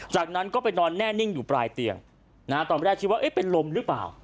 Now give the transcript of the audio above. จากนั้นก็ไปนอนแน่นิ่งอยู่ปลายเตียงนะฮะตอนแรกคิดว่าเอ๊ะเป็นลมหรือเปล่า